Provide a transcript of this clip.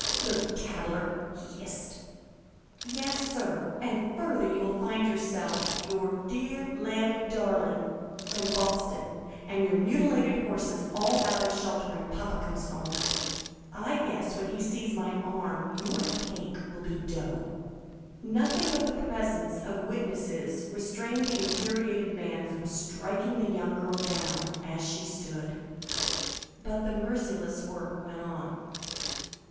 "Little tattler!" he hissed. "Yes, sir, and further you will find yourself, your 'deah lambie darling' from Boston, and your mutilated horses all out of shelter when papa comes home. I guess when he sees my arm your cake will be dough." Nothing but the presence of witnesses restrained the infuriated man from striking the young girl down, as she stood. But the merciless work went on.